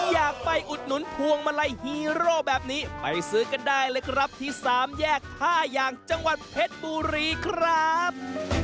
อยากไปอุดหนุนพวงมาลัยฮีโร่แบบนี้ไปซื้อกันได้เลยครับที่สามแยกท่ายางจังหวัดเพชรบุรีครับ